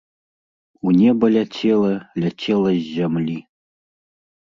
У неба ляцела, ляцела з зямлі.